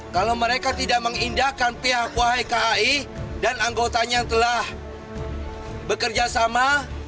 kalau mereka tidak mengindahkan pihak y kai dan anggotanya yang telah bekerja sama